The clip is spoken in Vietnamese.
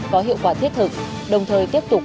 có hiệu quả thiết thực đồng thời tiếp tục